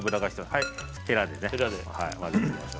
はい。